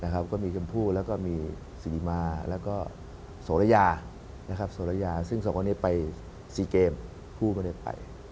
ก็มีเชิมผู้และก็มีศิลิมาและก็โสรยาซึ่ง๒คนเนี่ยไป๔เกมผู้ไม่ได้ไป